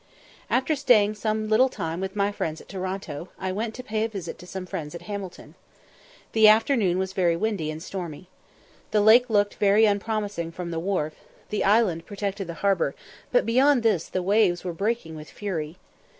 After staying some little time with my friends at Toronto, I went to pay a visit to some friends at Hamilton. The afternoon was very windy and stormy. The lake looked very unpromising from the wharf; the island protected the harbour, but beyond this the waves were breaking with fury.